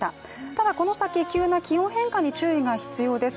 ただこの先、急な気温変化に注意が必要です。